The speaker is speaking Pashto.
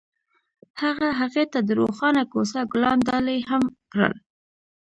هغه هغې ته د روښانه کوڅه ګلان ډالۍ هم کړل.